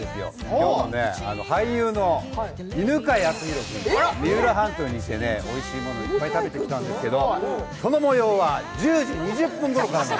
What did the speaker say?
今日は俳優の犬飼貴丈君と一緒に三浦半島に行っておいしいものいっぱい食べてきたんですけれどもその模様は１０時２０分ごろから。